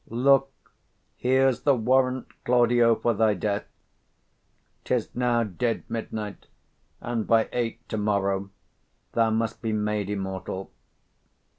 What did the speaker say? _ Look, here's the warrant, Claudio, for thy death: 'Tis now dead midnight, and by eight to morrow Thou must be made immortal.